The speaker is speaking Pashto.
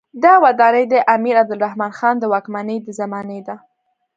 دا ودانۍ د امیر عبدالرحمن خان د واکمنۍ د زمانې ده.